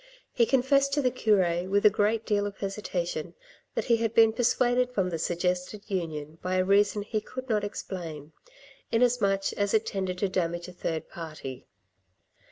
He confessed to the cure, with a great deal of hesitation, that he had been persuaded from the suggested union by a reason he could not explain, inasmuch as it tended to damage a third party.